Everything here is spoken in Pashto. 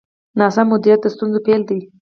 ناسم مدیریت د ستونزو پیل دی.